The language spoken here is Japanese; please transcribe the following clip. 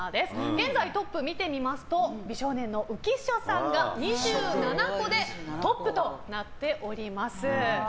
現在のトップを見てみますと美少年の浮所さんが２７個でトップとなっています。